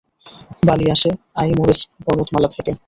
বালি আসে আইমোরেজ পর্বতমালা থেকে।